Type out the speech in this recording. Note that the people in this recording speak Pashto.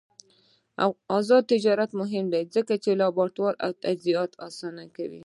آزاد تجارت مهم دی ځکه چې لابراتوار تجهیزات اسانوي.